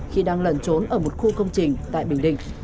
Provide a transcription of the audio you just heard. khi đang lẩn trốn ở một khu công trình tại bình định